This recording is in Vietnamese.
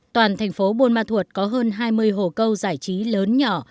toàn thành phố buôn ma thuột có hơn hai mươi hồ câu giải trí lớn nhỏ